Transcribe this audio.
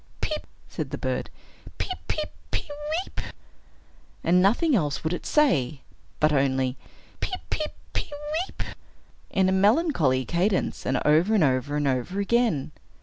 "Peep!" said the bird, "peep, peep, pe weep!" And nothing else would it say, but only, "Peep, peep, pe weep!" in a melancholy cadence, and over and over and over again.